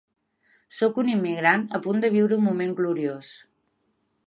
Sóc un immigrant a punt de viure un moment gloriós.